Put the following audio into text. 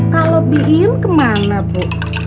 kalau bikin kemana bu